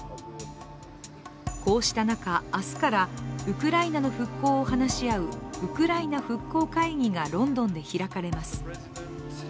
こうした中、明日からウクライナの復興を話し合うウクライナ復興会議がロンドンで開かれます。